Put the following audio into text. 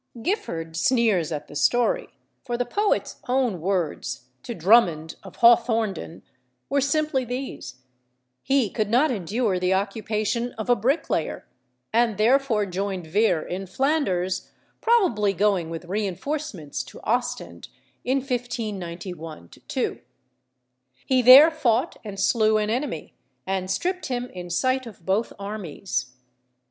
Gifford sneers at the story, for the poet's own words to Drummond of Hawthornden were simply these: "He could not endure the occupation of a bricklayer," and therefore joined Vere in Flanders, probably going with reinforcements to Ostend in 1591 2. He there fought and slew an enemy, and stripped him in sight of both armies.